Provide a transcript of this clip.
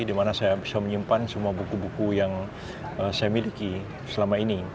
di mana saya bisa menyimpan semua buku buku yang saya miliki selama ini